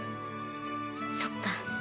そっか。